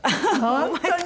本当に！？